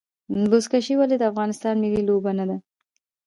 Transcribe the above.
بزکشي ولې د افغانستان ملي لوبه نه ده؟